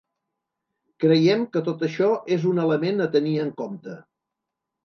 Creiem que tot això és un element a tenir en compte.